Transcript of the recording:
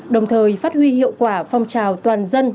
đồng thời phát huy hiệu quả phong trào toàn dân